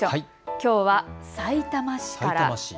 きょうは、さいたま市から。